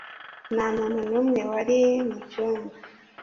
Nta muntu n'umwe wari mu cyumba.